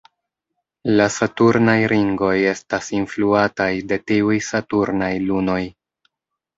La saturnaj ringoj estas influataj de tiuj saturnaj lunoj.